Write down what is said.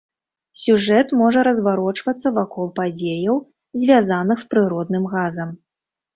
Сюжэт можа разварочвацца вакол падзеяў, звязаных з прыродным газам.